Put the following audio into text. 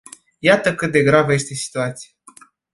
Iată cât de gravă este situația.